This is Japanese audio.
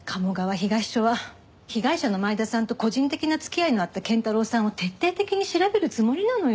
東署は被害者の前田さんと個人的な付き合いのあった謙太郎さんを徹底的に調べるつもりなのよ。